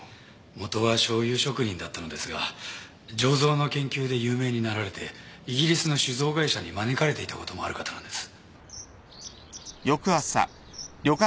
元はしょうゆ職人だったのですが醸造の研究で有名になられてイギリスの酒造会社に招かれていたこともある方なんです。